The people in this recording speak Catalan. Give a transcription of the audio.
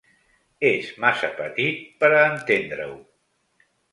És massa petit per a entendre-ho.